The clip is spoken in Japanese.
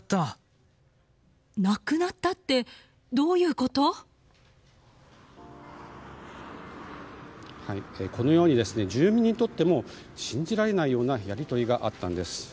このように住民にとっても信じられないようなやり取りがあったんです。